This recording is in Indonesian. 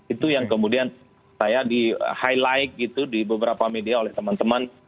itu yang kemudian saya di highlight gitu di beberapa media oleh teman teman